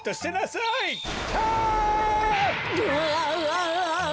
うわ。